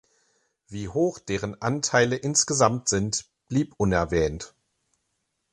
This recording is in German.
Wie hoch deren Anteile insgesamt sind, blieb unerwähnt.